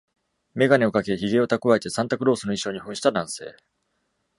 眼鏡をかけ、ひげをたくわえてサンタクロースの衣装に扮した男性